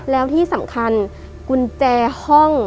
แล้วที่สำคัญกุญแจห้อง